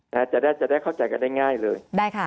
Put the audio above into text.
แล้วจะได้เข้าใจกันได้ง่ายเลย